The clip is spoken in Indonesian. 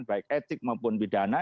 baik etik maupun pidana